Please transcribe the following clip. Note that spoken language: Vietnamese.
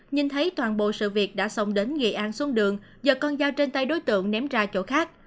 nhìn thấy toàn bộ sự việc đã xông đến nghệ an xuống đường do con dao trên tay đối tượng ném ra chỗ khác